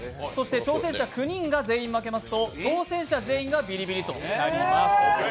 挑戦者９人全員が負けますと、挑戦者全員がビリビリとなります。